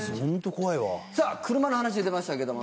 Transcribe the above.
さぁ車の話出ましたけども。